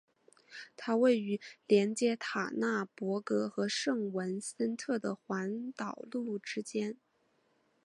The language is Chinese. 它位于连接塔纳帕格和圣文森特的环岛路之间。